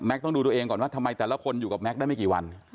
ต้องดูตัวเองก่อนว่าทำไมแต่ละคนอยู่กับแก๊กได้ไม่กี่วัน